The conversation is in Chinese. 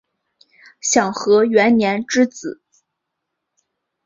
享和元年之子。